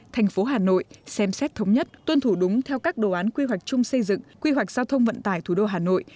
thành phố hà nội xem xét thống nhất tuân thủ đúng theo các đồ án quy hoạch chung xây dựng quy hoạch giao thông vận tải thủ đô hà nội